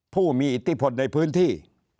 ผู้มีอิติภัณฑ์ในพื้นที่